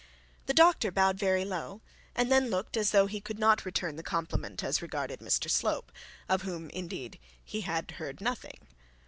The doctor bowed very low, and then looked as though he could not return the compliment as regarded Mr Slope, of whom, indeed, he had heard nothing.